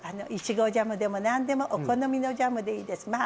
いちごジャムでも何でもお好みのジャムでいいです。